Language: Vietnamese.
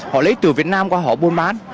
họ lấy từ việt nam qua họ buôn bán